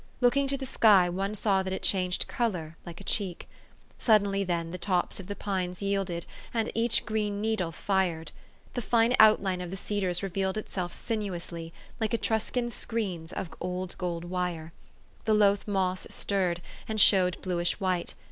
Looking to the sky, one saw that it changed color like a cheek. Suddenly then, the tops of the pines yielded, and each green needle fired. The fine outline of the ce dars revealed itself sinuously, like Etruscan screens of old gold wire. The loath moss stirred, and showed bluish white.